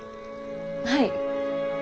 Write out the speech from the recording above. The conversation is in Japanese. はい？